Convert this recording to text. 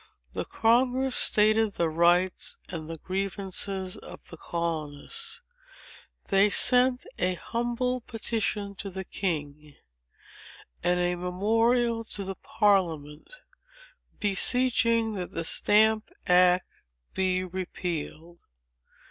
The Congress stated the rights and the grievances of the colonists. They sent an humble petition to the king, and a memorial to the Parliament, beseeching that the Stamp Act might be repealed.